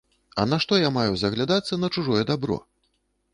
А нашто я маю заглядацца на чужое дабро?